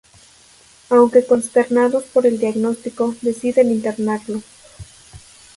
Aunque consternados por el diagnóstico, deciden intentarlo.